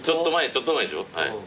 ちょっと前でしょ？